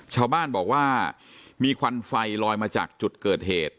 ชาวบ้านบอกว่ามีควันไฟลอยมาจากจุดเกิดเหตุ